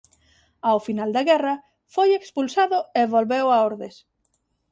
Ao final da guerra foi expulsado e volveu a Ordes.